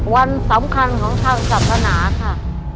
วันสำคัญของทางศาสนาค่ะ